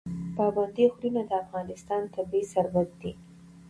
پابندی غرونه د افغانستان طبعي ثروت دی.